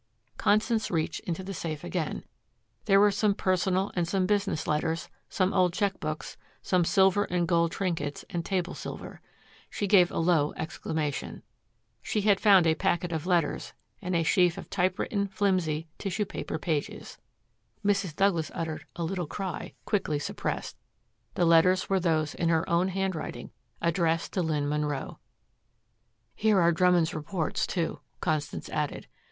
Constance reached into the safe again. There were some personal and some business letters, some old check books, some silver and gold trinkets and table silver. She gave a low exclamation. She had found a packet of letters and a sheaf of typewritten flimsy tissue paper pages. Mrs. Douglas uttered a little cry, quickly suppressed. The letters were those in her own handwriting addressed to Lynn Munro. "Here are Drummond's reports, too," Constance added.